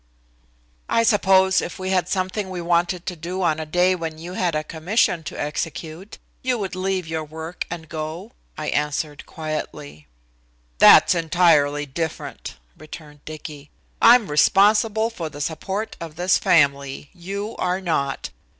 "I suppose if we had something we wanted to do on a day when you had a commission to execute you would leave your work and go," I answered quietly. "That's entirely different," returned Dicky. "I'm responsible for the support of this family. You are not.